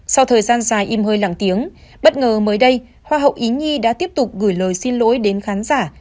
sau thời gian dài im hơi lằng tiếng bất ngờ mới đây hoa hậu ý nhi đã tiếp tục gửi lời xin lỗi đến khán giả